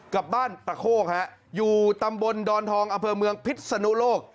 กับบ้านประโคกฮะอยู่ตำบลดอนทองอำเภอเมืองพิษนุโลก